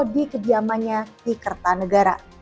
di kediamannya di kertanegara